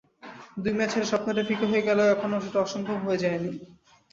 দুই ম্যাচ হেরে স্বপ্নটা ফিকে হয়ে গেলেও এখনো সেটা অসম্ভব হয়ে যায়নি।